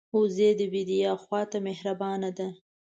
وزې د بیدیا خوا ته مهربانه ده